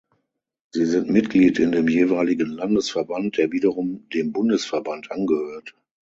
Sie sind Mitglied in dem jeweiligen Landesverband, der wiederum dem Bundesverband angehört.